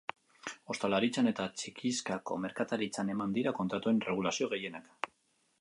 Ostalaritzan eta txikizkako merkataritzan eman dira kontratuen erregulazio gehienak.